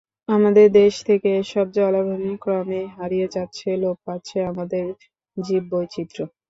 আমাদের দেশ থেকে এসব জলাভূমি ক্রমেই হারিয়ে যাচ্ছে, লোপ পাচ্ছে আমাদের জীববৈচিত্র্য।